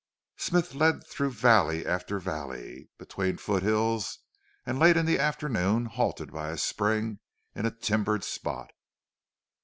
Smith led through valley after valley between foot hills, and late in the afternoon halted by a spring in a timbered spot.